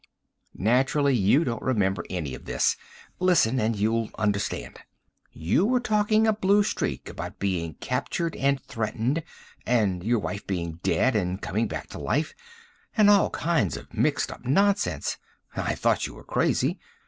"Naturally you don't remember any of this. Listen and you'll understand. You were talking a blue streak about being captured and threatened, and your wife being dead and coming back to life, and all kinds of mixed up nonsense. I thought you were crazy.